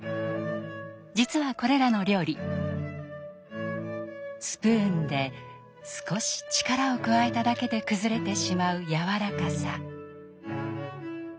実はこれらの料理スプーンで少し力を加えただけで崩れてしまうやわらかさ。